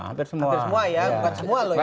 hampir semua ya bukan semua loh ya